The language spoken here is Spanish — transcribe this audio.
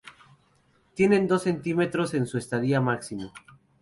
Tienen dos centímetros en su estadía máximo.